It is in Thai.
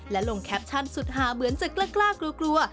และลงแคปชั่นสุดหาเหมือนจะกล้ากลัว